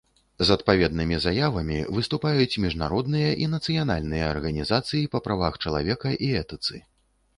З адпаведнымі заявамі выступаюць міжнародныя і нацыянальныя арганізацыі па правах чалавека і этыцы.